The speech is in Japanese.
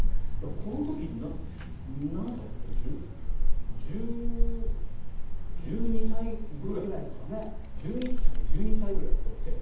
この時何歳なんだろう１１歳、１２歳ぐらいで得点王。